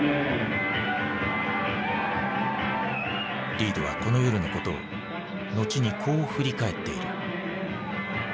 リードはこの夜のことを後にこう振り返っている。